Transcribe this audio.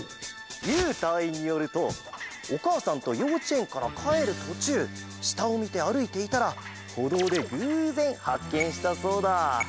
ゆうたいいんによるとおかあさんとようちえんからかえるとちゅうしたをみてあるいていたらほどうでぐうぜんはっけんしたそうだ！